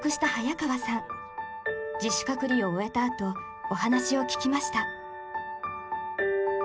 自主隔離を終えたあとお話を聞きました。